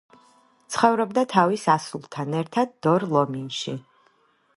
ცხოვრობდა თავის ასულთან ერთად დორ-ლომინში.